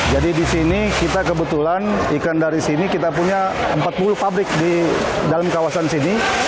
jadi di sini kita kebetulan ikan dari sini kita punya empat puluh pabrik di dalam kawasan sini